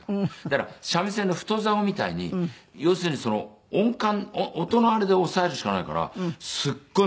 だから三味線の太ざおみたいに要するに音感音のあれで押さえるしかないからすごい難しくて。